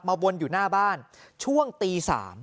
วนอยู่หน้าบ้านช่วงตี๓